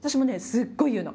すっごい言うの。